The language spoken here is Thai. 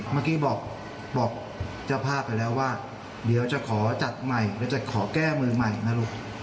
เมื่อกี้บอกเจ้าภาพไปแล้วว่าเดี๋ยวจะขอจัดใหม่หรือจะขอแก้มือใหม่นะลูก